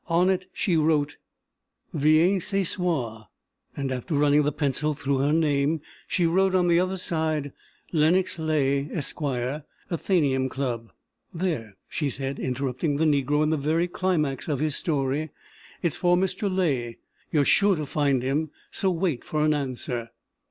On it she wrote, Viens ce soir, and after running the pencil through her name, she wrote on the other side, Lenox Leigh, esq., Athenæum Club. "There," she said, interrupting the negro in the very climax of his story, "it's for Mr. Leigh; you are sure to find him, so wait for an answer."